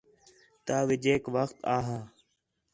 ترے وڄیک وخت آ ہا